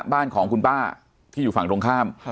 บ้านของคุณป้าที่อยู่ฝั่งตรงข้าม